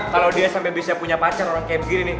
kalo dia sampe bisa punya pacar orang kayak gini nih